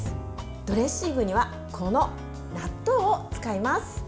ドレッシングにはこの納豆を使います。